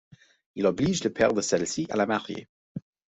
Il oblige le père de celle-ci à la marier.